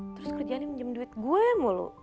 terus kerjaannya menjemah duit gue mulu